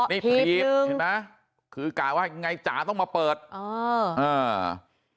นี่ถีบเห็นไหมคือกะว่าไงจ๋าต้องมาเปิดอ๋ออ่า